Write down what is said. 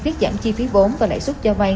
tiết giảm chi phí vốn và lãi suất cho vay